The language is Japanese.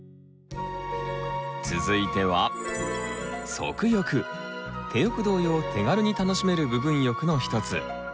続いては手浴同様手軽に楽しめる部分浴の一つ。